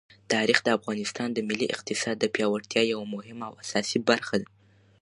تاریخ د افغانستان د ملي اقتصاد د پیاوړتیا یوه مهمه او اساسي برخه ده.